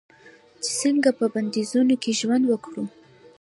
چې څنګه په بندیزونو کې ژوند وکړو.